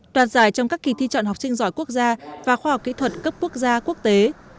đoạt giải trong các kỳ thi chọn học sinh giỏi quốc gia và khoa học kỹ thuật cấp quốc gia quốc tế